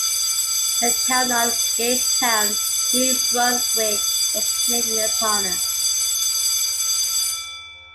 The town of Gagetown, New Brunswick was named in his honour.